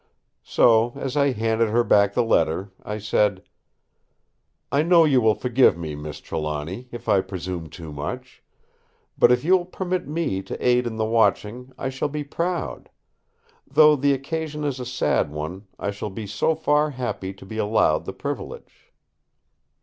So, as I handed her back the letter, I said: "I know you will forgive me, Miss Trelawny, if I presume too much; but if you will permit me to aid in the watching I shall be proud. Though the occasion is a sad one, I shall be so far happy to be allowed the privilege."